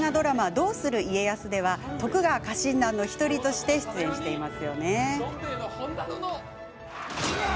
「どうする家康」では徳川家臣団の１人として出演しています。